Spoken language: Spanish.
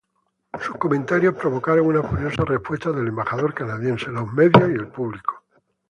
Sus comentarios provocaron una furiosa respuesta del embajador canadiense, los medios y el público.